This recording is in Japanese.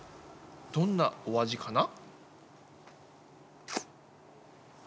どんなお味かな？